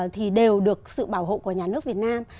thì đều được sự bảo hộ của nhà nước việt nam